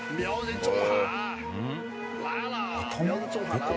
どこ？